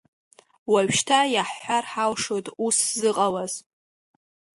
Уажәшьҭа иаҳҳәар ҳалшоит ус зыҟалаз.